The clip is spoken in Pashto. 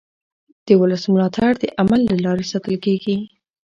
د ولس ملاتړ د عمل له لارې ساتل کېږي